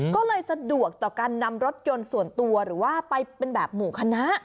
ก็เลยสะดวกต่อการนำรถยนต์ส่วนตัวหรือว่าไปเป็นแบบหมู่คณะ